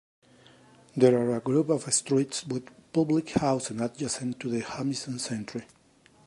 There are a group of streets with public housing adjacent to the Jamison Centre.